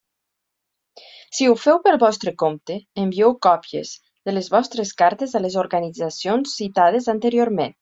Si ho feu pel vostre compte, envieu còpies de les vostres cartes a les organitzacions citades anteriorment.